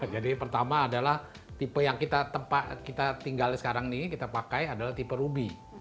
jadi pertama adalah tipe yang kita tinggalin sekarang ini kita pakai adalah tipe ruby